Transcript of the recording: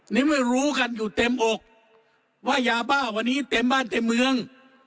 ในเมื่อรู้กันอยู่เต็มอกว่ายาบ้าวันนี้เต็มบ้านเต็มเมือง